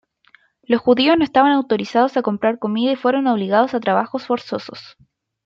Los judíos no estaban autorizados a comprar comida y fueron obligados a trabajos forzosos.